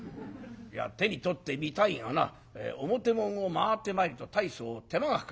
いや手に取ってみたいがな表門を回ってまいると大層手間がかかる。